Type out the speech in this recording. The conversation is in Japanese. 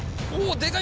でかい！